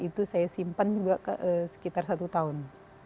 itu saya simpan juga sekitar satu tahun